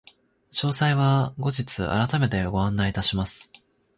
詳細は後日改めてご案内いたします。